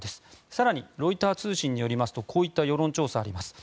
更にロイター通信によりますとこういった世論調査があります。